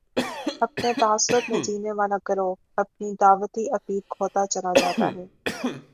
اپنے تعصب میں جینے والا گروہ اپنی دعوتی اپیل کھوتا چلا جاتا ہے۔